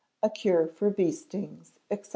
A Cure for Bee Stings, etc.